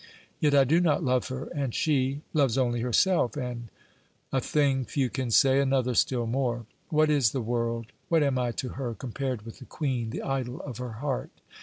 Yet I do not love her, and she loves only herself, and a thing few can say another still more. What is the world, what am I to her, compared with the Queen, the idol of her heart?